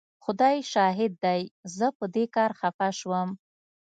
خدای شاهد دی زه په دې کار خفه شوم.